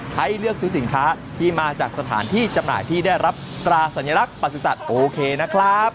ให้เลือกซื้อสินค้าที่มาจากสถานที่จำหน่ายที่ได้รับตราสัญลักษณ์ประสุทธิ์โอเคนะครับ